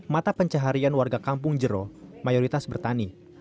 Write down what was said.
mata pencaharian warga kampung jero mayoritas bertani